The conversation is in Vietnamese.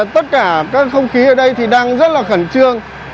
tất cả các không khí ở đây thì đang rất là khẩn trương